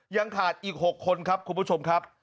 ยังขาดอีก๖คนครับคุณผู้ชมครับ